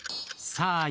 さあ